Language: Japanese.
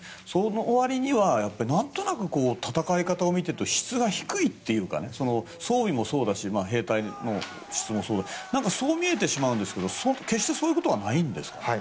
その終わりには何となく戦い方を見ていると質が低いというか装備もそうだし兵隊の質もそうだしそう見えてしまうんですけど決してそういうことはないんですか？